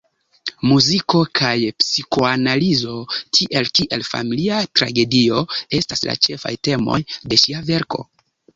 Muziko kaj psikoanalizo, tiel kiel familia tragedio estas la ĉefaj temoj de ŝia verko.